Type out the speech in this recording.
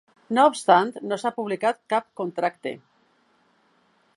No obstant, no s'ha publicat cap contracte.